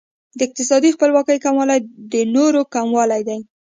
د اقتصادي خپلواکۍ کموالی د نورو کموالی دی.